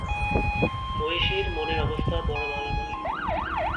মহিষীর মনের অবস্থা বড় ভাল নয়।